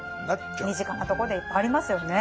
身近なところでいっぱいありますよね